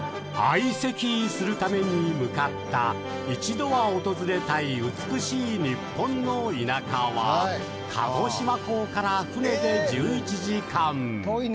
相席するために向かった一度は訪れたい美しい日本の田舎は鹿児島港から船で１１時間。